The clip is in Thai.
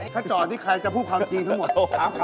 ถ้าจอดที่ใครจะพูดความจริงทั้งหมด